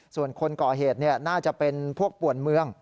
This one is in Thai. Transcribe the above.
ส่วนคนก่อเหตุน่าจะเป็นพวกป่วนเมือง